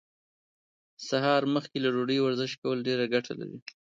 سهار مخکې له ډوډۍ ورزش کول ډيره ګټه لري.